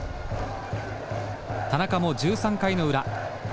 田中も１３回の裏。